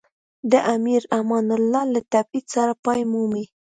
د امیر امان الله له تبعید سره پای مومي.